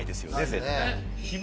絶対。